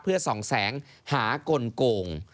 เพื่อส่องแสงหากลโกง